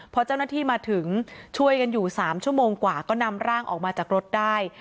พอเจ้าหน้าที่มาถึงช่วยกันอยู่๓ชั่วโมงกว่าก็นำร่างออกมาจากรถได้